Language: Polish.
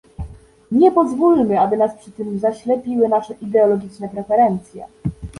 Nie pozwólmy, aby nas przy tym zaślepiły nasze ideologiczne preferencje